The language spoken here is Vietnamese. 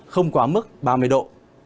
không quá mức ba mươi độ